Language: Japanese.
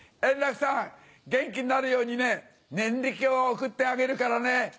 円楽さん、元気になるようにね、念力を送ってあげるからね。